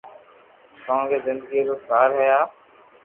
ڪونڪھ زندگي رو سار ھي آ